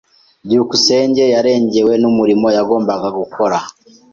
byukusenge yarengewe numurimo yagombaga gukora.